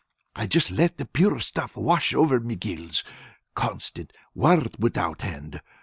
I'd just let the pure stuff wash over me gills constant, world without end.